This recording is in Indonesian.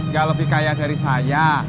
gak lebih kaya dari saya